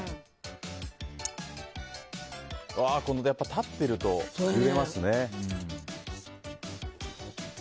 立ってると揺れますね。